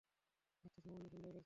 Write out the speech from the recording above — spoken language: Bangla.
আচ্ছা, সামান্য সন্দেহ করেছিলাম।